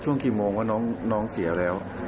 ช่วงกี่โมงว่าน้องเสียแล้ว